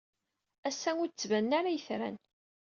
Ass-a, ur d-ttbanen ara yitran.